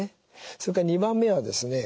それから２番目はですね